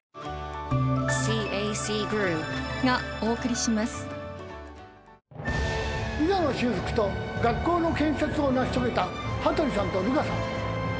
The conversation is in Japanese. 井戸の修復と学校の建設を成し遂げた羽鳥さんとルカさん。